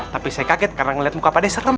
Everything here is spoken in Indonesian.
tapi saya kaget karena ngeliat muka padeh serem